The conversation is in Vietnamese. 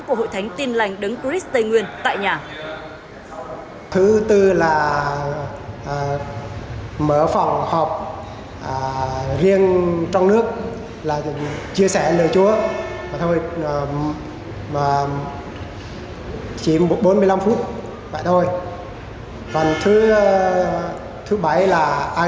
của hội thánh tin lành đấng cris tây nguyên tại nhà